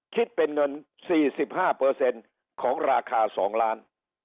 คิดเป็นเงิน๔๕ของราคา๒ล้าน